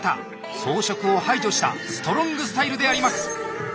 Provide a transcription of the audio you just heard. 装飾を排除したストロングスタイルであります。